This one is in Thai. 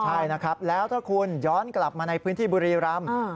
ใช่นะครับแล้วถ้าคุณย้อนกลับมาในพื้นที่บุรีรำ